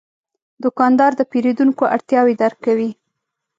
دوکاندار د پیرودونکو اړتیاوې درک کوي.